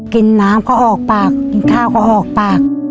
กินน้ำก็ออกปากกินข้าวก็ออกปาก